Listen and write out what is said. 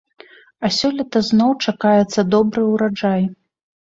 А сёлета зноў чакаецца добры ўраджай.